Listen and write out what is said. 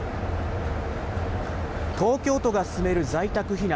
東京都が進める在宅避難。